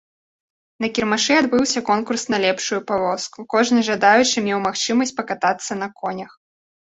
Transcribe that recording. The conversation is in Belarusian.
На кірмашы адбыўся конкурс на лепшую павозку, кожны жадаючы меў магчымасць пакатацца на конях.